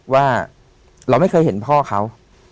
ว่าเราไม่เคยเห็นพ่อเขา